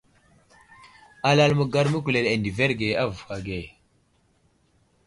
Alal məgar məkuleɗ adəverge avuhw age.